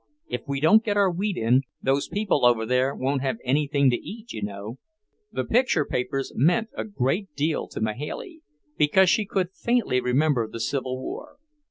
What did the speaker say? If we don't get our wheat in, those people over there won't have anything to eat, you know." The picture papers meant a great deal to Mahailey, because she could faintly remember the Civil War.